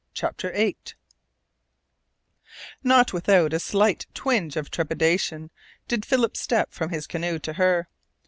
CHAPTER EIGHT Not without a slight twinge of trepidation did Philip step from his canoe to her.